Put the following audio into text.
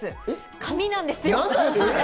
紙なんですよ。